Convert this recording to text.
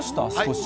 少し。